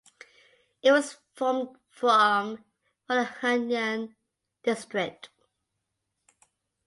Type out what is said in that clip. It was formed from Volhynian District.